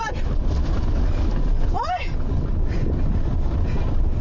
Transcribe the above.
ไม่มีพี่